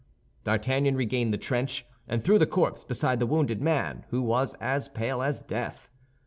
D'Artagnan regained the trench, and threw the corpse beside the wounded man, who was as pale as death.